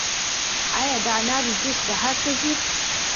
آیا د انارو جوس بهر ته ځي؟